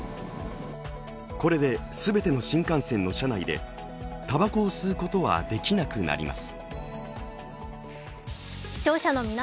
これで全ての新幹線の車内でたばこを吸うことはできなくなります。